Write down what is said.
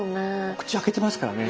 口開けてますからね。